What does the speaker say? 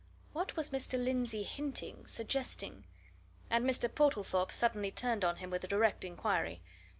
What was Mr. Lindsey hinting, suggesting? And Mr. Portlethorpe suddenly turned on him with a direct inquiry.